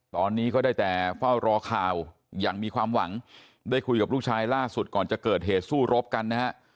ตอนนี้ก็ได้แต่เฝ้ารอข่าวอย่างมีความหวังได้คุยกับลูกชายล่าสุดก่อนจะเกิดเหตุสู้รบกันนะฮะ